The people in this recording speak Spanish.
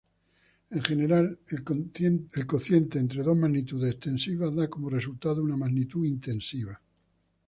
En general, el cociente entre dos magnitudes extensivas da como resultado una magnitud intensiva.